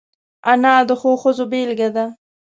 انا د ښو ښځو بېلګه ده